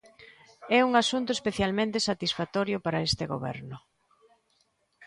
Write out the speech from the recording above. É un asunto especialmente satisfactorio para este goberno.